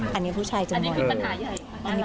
อันนี้คือปัญหาใหญ่